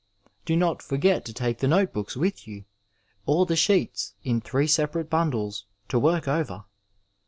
Do not forget to take the notebooks with you, or the sheets, in three separate bundles, to work over.